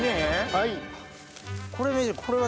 はい。